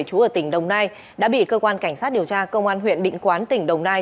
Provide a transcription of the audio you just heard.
chú ở tỉnh đồng nai đã bị cơ quan cảnh sát điều tra công an huyện định quán tỉnh đồng nai